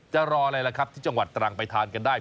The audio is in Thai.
รออะไรล่ะครับที่จังหวัดตรังไปทานกันได้